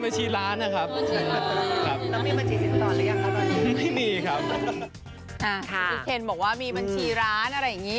ไม่ใช่เป็นบัญชีสินสอนได้ยังไง